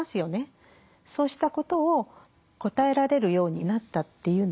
そうしたことを答えられるようになったっていうのが大きいと思います。